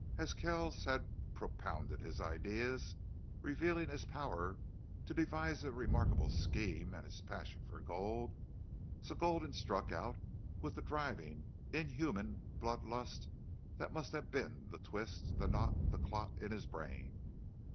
As Kells had propounded his ideas, revealing his power to devise a remarkable scheme and his passion for gold, so Gulden struck out with the driving inhuman blood lust that must have been the twist, the knot, the clot in his brain.